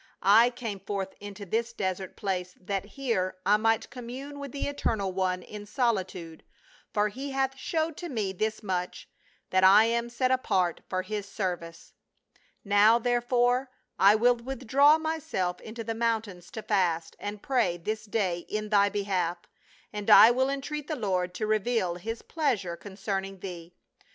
I came forth into this desert place that here I might commune with the Eternal One in solitude, for he hath showed to me this much, that I am set apart for his service. Now, therefore, I will withdraw myself into the mountains to fast and pray this day in thy behalf, and I will entreat the Lord to reveal his pleasure con cerning thee.